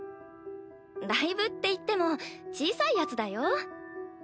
ライブっていっても小さいやつだよ。